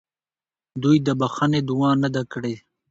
دوی د بخښنې دعا نه ده کړې.